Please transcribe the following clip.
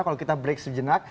kalau kita break sejenak